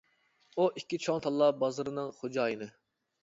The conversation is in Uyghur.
ئۇ ئىككى چوڭ تاللا بازىرىنىڭ خوجايىنى.